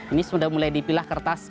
ini sudah mulai dipilah kertas